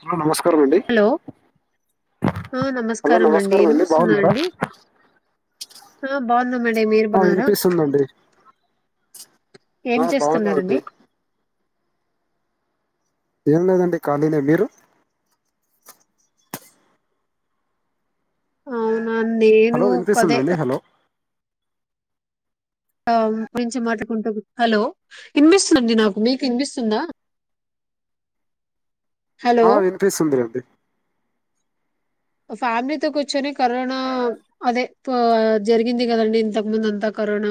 అమ్మ నమస్కారం అండి హలో ఆ నమస్కారం అండి వినిపిస్తుందా అండి ఆ బా బాగున్నాం అండి మీరు ఆ బాగున్నార వినిపిస్తుందండి ఏం ఆ బాగున్నామండి చేస్తున్నారండి ఏం లేదండి ఖాళీనే మీరు అవునా అండి నేను హలో కదే వినిపిస్తుందండి హలో హలో ఇనిపిస్తుందండి నాకు మీకు వినిపిస్తుందా హలో ఆ వినిపిస్తుంది లేండి ఫ్యామిలీతో కూర్చొని కరోనా అదే జరిగింది కదండి ఇంతకు ముందు అంతా కరొన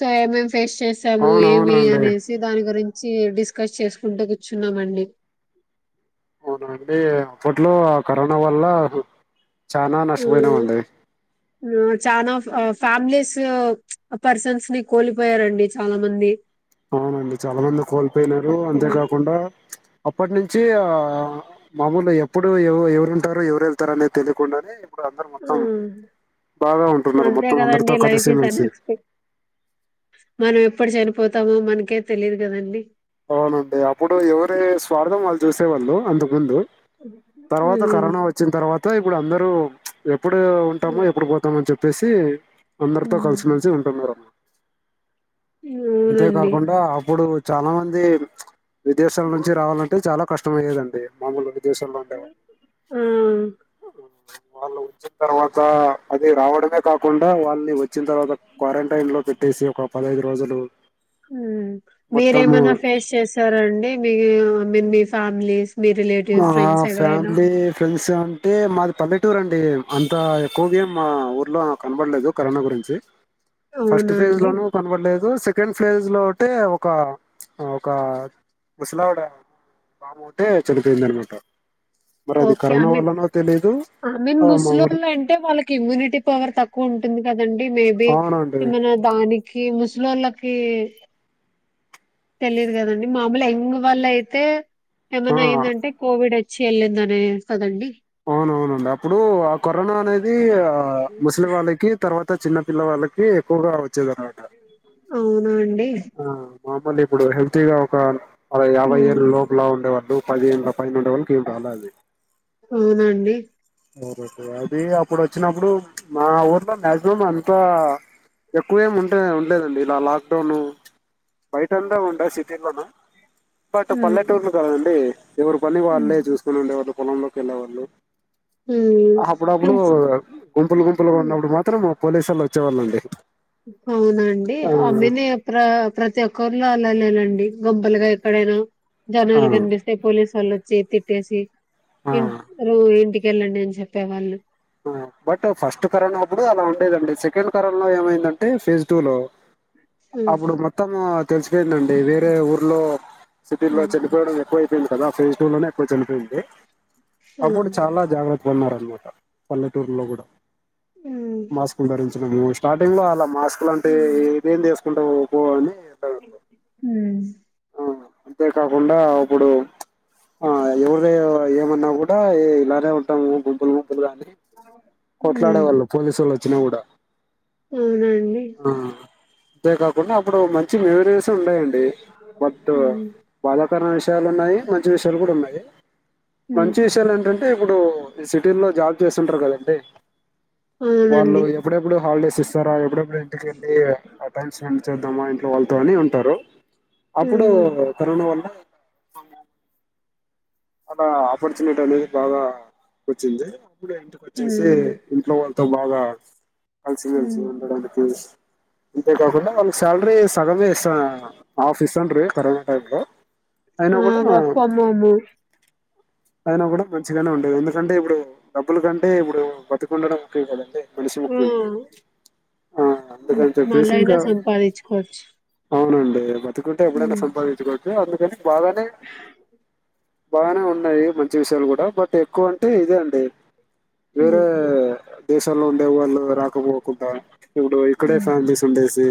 సో ఏమేం ఫేస్ చేసాము ఏమి అవునవునండి అనేసి దాని గురించి చ్చి డిస్కస్ చేసుకుంటా కూర్చున్నామండి అవునండి అప్పట్లో ఆ కరోనా వల్ల చానా నష్టపోయినామండి మీము చానా ఆ ఫ్యామిలీస్ పర్సన్స్ ని కోలిపోయారండి చాలా మంది అవునండి చాలా మంది ని కోల్పోయినారు మంది అంతేకాకుండా అప్పటి నుంచి ఆ మామూలు ఎప్పుడు ఎవ ఎవరుంటారు ఎవరు వెళ్తారు అనేది తెలియకుండానే ఇప్పుడు అందరు ఆ మొత్తం బాగా ఉంటున్నారు అంతే మొత్తం కదండి అందరితో లైఫ్ కలిసి ఈజ్ మెలిసి అన్ఎక్స్పెక్ట్ మనం ఎప్పుడు చనిపోతామో మనకే తెలిదు కాదండి అవునండి అప్పుడు ఎవరి స్వార్థం వాళ్ళు చూసేవాళ్ళు అంతకు ముందు తర్వాత ఉమ్ కరోనా వచ్చిన తర్వాత ఇప్పుడు అందరు ఎప్పుడు ఉంటామె ఎప్పుడు పోతామో అని చెప్పేసి అందరితో ఉమ్ కలిసిమెలిసి ఉంటున్నరా అమ్మా అవునండి అంతేకాకుండా అప్పుడు చాలా మంది విదేశాల నుంచి రావాలంటే చాలా కష్టమైనది అండి మామూలుగా ఆ వాళ్ళు వచ్చిన తర్వాత అది రావడమే కాకుండా వాళ్ళు వచ్చిన తర్వాత క్వారంటైన్ లో పెట్టేసి ఒక పదహైదు రోజులు ఉమ్ మొత్తము మీరేమన్నా ఫేస్ చేసారండి మీ మీరు మీ ఫ్యామిలీస్ మీ మా రిలేటివ్స్ ఫ్రెండ్స్ ఎవరైనా ఫ్యామిలీ ఫ్రెండ్స్ అంటే మాది పల్లెటురండి అంతా క్కువ గేమ్ మా ఊర్లో కనబడలేదు కరోనా గురించి ఫస్ట్ అవునా ఫేజ్ అండి లోనూ కనబడలేదు సె సెకండ్ ఫేజ్ లో ఉంటే ఒక ఒక ముసలావిడ మముందే చడిపోయిందనమాట okay I mean I mean ఆ మామూలు ముసలోల్లు అంటే వాళ్ళకి ఇమ్యూనిటీ పవర్ తక్కువ ఉంటు ఉంటుంది కదండి మేబి అవునండి మన దానికి ముసలోల్లకి తెలియదు కదండి మామూలు ఎంగ్ వాల్ళ అయితే ఆ ఏమన్నా అయ్యిందంటే కోవిడే చెల్లేందనే సదండి అవును అవునండి అప్పుడు ఆ కరోనా అనేది ఆ ముసలి వాళ్ళకి తర్వాత చిన్న పిల్ల వాళ్ళకి ఎక్కువగా వచ్చేది అనమాట అవునా అండి ఆ మామూలు ఇప్పుడు హెల్తీగా ఒక అ యాభై ఉమ్ ఏరు లోపలా ఉండేవాళ్ళు పదిహేను ఉండే వాళ్ళకి ఏమిాలా అది అవునండి ఓకే అది అప్పుడు వచ్చినప్పుడు మా ఊర్లో మాక్సిమం అంతా ఎక్కువ ఏమి ఉంటే ఉండేదండి ఇలా లాక్డౌన్ బయట అంతా ఉంటాయి సిటీల్లోన బట్ ఉమ్ పల్లెటూర్లు కదండి ఎవరి పని ఉమ్ వాళ్ళే చూసుకుని ఉండేవాళ్ళు పొలంలోకి వెళ్ళేవాళ్ళు అప్పుడప్పుడు మంచి గుంపులు గుంపులుగా హ్మ్. ఉన్నప్పుడు మాత్రము పోలీసోళ్ళు వచ్చేవాళ్ళండి అవునా అండి ఆమెనే అప్రా ప్రతి ఒక్కరిలో అలా లేలండి గుంపలుగా ఎక్కడైనా ఆ ఆ జనాలు కనిపిస్తే పోలిసోళ్ళు చే తిట్టేసి ఆ రో ఇంటికెళ్ళండి అని చెప్పేవాళ్ళు ఆ బట్ ఫస్ట్ కరోనా ఆప్పుడు అలా ఉండేదండి సెకండ్ కరోనా లో ఏమైందంటే ఫేజ్ టూ లో ఉమ్ అప్పుడు మొత్తం తెలిసిపోయిందండి వేరే ఊర్లో సిటీలో చనిపోయాడని ఎక్కువైపోయింది కదా ఆ ఫేజ్ టూ లోనే ఎక్కువ చనిపోయింది అప్పుడు ఉమ్ చాలా జాగ్రత్తగా ఉన్నారు పల్లెటూరులో కూడా ఉమ్ మాస్క్ ధరించడం స్టార్టింగ్ లో అలా మాస్క్ అట్లా అంటి ఉమ్ ఇదేం ఏసుకుంటావ్ పో అని అనే ఉమ్ ఉమ్ అంతే కాకుండా ఇప్పుడు ఆ ఎవరు ఏమన్నా కూడా ఇలానే ఉంటాము గుంపులు రాత్రి ఉమ్ కొట్లాడేవాళ్ళు పోలీసోళ్ళు వచ్చినా కూడా అవునండి అంతేకాకుండా అప్పుడు మంచి మెమరీస్ ఉండేయండి బట్టు ఉమ్ బాధాకరణ విషయాలు ఉన్నాయి మంచి విషయాలు కూడా ఉన్నాయి ఉమ్ మంచి విషయాలెంటంటే ఇప్పుడు ఈ సిటీ లో జాబ్ చేస్తుంటరు కదండి అవునండి వాళ్ళు ఎప్పుడెప్పుడు హాలిడేస్ ఇస్తారా ఎప్పుడెప్పుడు ఇంటికి వెళ్ళి టైం స్పెండ్ చేద్దామా ఇంట్లో వాళ్ళతోని ఉంటారు అప్పుడు హ్మ్ కరోనా వల్ల హలొ అలా ఆపర్చునిటీ అనేది బాగా వచ్చింది అప్పుడు ఇంటికి వచ్చేసి హ్మ్ ఇంట్లో వాళ్ళు ఎంతో బాగా కలిసిమెలిసి హ్మ్ ఉండడానికి ఇంతేకాకుండా వాళ్ళకి శాలరీస్ సగమే ఇస్తా ఆఫీస్ అండీ కరోనా టైంలో అయినా ఆ కూడా వర్క్ ఫ్రమ్ హోము అయినా కూడా మంచిగానే ఉండేది ఎందుకంటే ఇప్పుడు డబ్బుల కంటే ఇప్పుడు బతికుండడం ముఖ్యంకదండి మనిషి ఆ ముఖ్యం ఆ హ్మ్. అందుకని చెప్పేసి మళ్ళైనా ఇంకా సంపాదించుకోవచ్చు అవునండి బతుకుంటే ఎప్పుడైనా హ్మ్ సంపాదించుకోవచ్చు అందుకని బాగానే బాగానే ఉన్నాయి మంచి విషయాలు కూడా బట్ ఎక్కువ అంటే ఇదే అండి హ్మ్ వేరే దేశాల్లో ఉండే వాళ్ళు రా క పోకుండా ఇప్పుడు ఇక్కడే హ్మ్ ఫ్యామిలీస్ ఉండేసి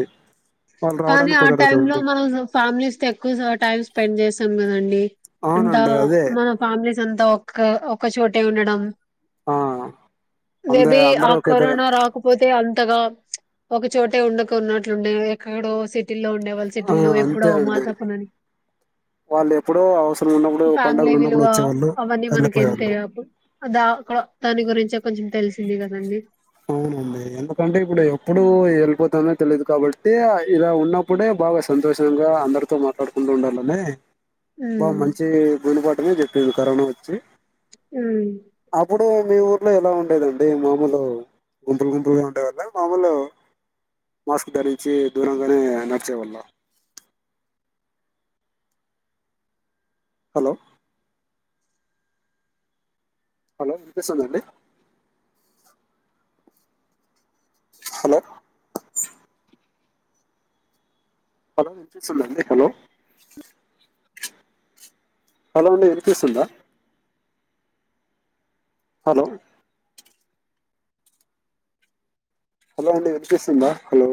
వాళ్ళు కానీ రావడానికి ఆ కుదరదు టైమ్ లో కదండి మనం ఫ్యామిలీస్ తొ ఎక్కువ టైమ్ స్పెండ్ చేస్తాం కదండి అంతా అవునండి అదే మన ఫ్యామిలీస్ అంతా ఒ ఒక్క చోటే ఉండడం ఆ అందే మేబి ఆ అందరూ ఒకే దగ్గర కరోనా రాకపోతే అంతగా ఒక చోటే ఉండక ఉన్నట్లుండే ఎక్కడో సి టీల్లో ఉండేవాళ్ళు ఆ సిటీల్లో ఎప్పుడో అంతే అండి అమాసపున్నని వాళ్ళు ఎప్పుడో అవసరం ఉన్నప్పుడు ఫ్యామిలీ పండుగలు ఉన్నప్పుడు విలువ వచ్చేవాళ్ళు అవన్నీ మనకి వెళ్ళిపోయేవాళ్ళు ఎంతపు ద అ క్ దాని గురించే కొంచెం తెలిసింది కదండి అవునండి ఎందుకంటే ఇప్పుడు ఎప్పుడు ఉ వెళ్ళిపోతనో తెలిదు కాబట్టి అ ఇలా ఉన్నప్పుడే బాగా సంతోషంగా అందరితో మాట్లాడుకుంటూడాలనే ఉ బా మంచి గునపాటమే చెప్పేంది కరోనా వచ్చి ఆ ప్పుడు మీ ఊర్లో ఎలా ఉండేదండి మామూలు గుంపూలు గుంపులుగా ఉండేవాళ్ళ మామూలు మాస్క్ ధరించి దూరంగానే నడిచేవాళ్ళ హలో హలో వినిపిస్తుంద అండి హలో హలో వినిపిస్తుందా అండి హలో హలో అండి వినిపిస్తుందా హలో హలో అండి వినిపిస్తుందా హలో